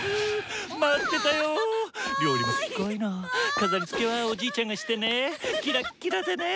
飾りつけはおじいちゃんがしてねぇキラキラでねぇ。